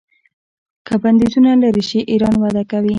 که بندیزونه لرې شي ایران وده کوي.